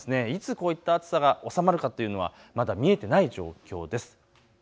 いつこういった暑さが収まるかというのはまだ見えていない状況です。